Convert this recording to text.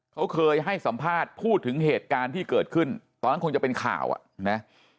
เขาเคยให้สัมภาษณ์พูดถึงเหตุการณ์ที่เกิดขึ้นตอนนั้นคงจะเป็นข่าวอ่ะนะ